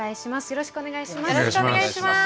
よろしくお願いします。